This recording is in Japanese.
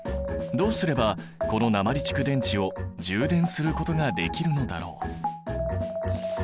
どうすればこの鉛蓄電池を充電することができるのだろう？